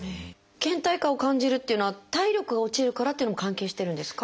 けん怠感を感じるっていうのは体力が落ちるからっていうのも関係してるんですか？